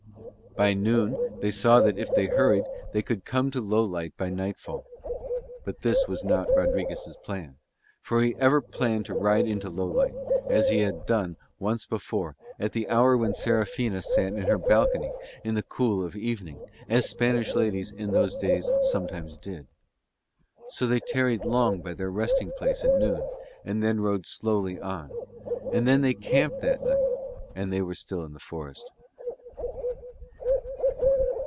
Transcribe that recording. By noon they saw that if they hurried on they could come to Lowlight by nightfall. But this was not Rodriguez' plan, for he had planned to ride into Lowlight, as he had done once before, at the hour when Serafina sat in her balcony in the cool of the evening, as Spanish ladies in those days sometimes did. So they tarried long by their resting place at noon and then rode slowly on. And when they camped that night they were still in the forest.